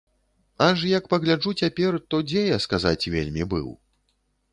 Аж, як пагляджу цяпер, то дзе я, сказаць, вельмі быў?